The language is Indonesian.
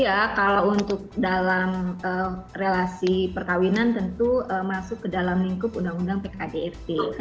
ya kalau untuk dalam relasi perkawinan tentu masuk ke dalam lingkup undang undang pkdrt